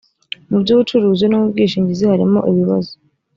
mu by ubucuruzi no mu bwishingizi harimo ibibazo